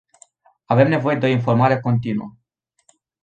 Avem nevoie de o informare continuă.